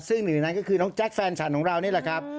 ซึ่งหนึ่งในนั้นก็คือน้องแจ๊คแฟนฉันของเรานี่แหละครับ